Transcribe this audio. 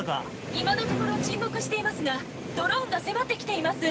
「今のところ沈黙していますがドローンが迫ってきています！」